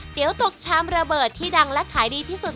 ตกชามระเบิดที่ดังและขายดีที่สุด